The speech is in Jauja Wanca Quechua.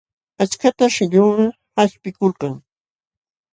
Aqchantan shillunwan qaćhpikuykan.